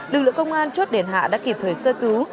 lực lượng công an chốt đền hạ đã kịp thời sơ cứu